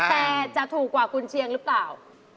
แต่จะถูกกว่าคุณเชียงหรือเปล่า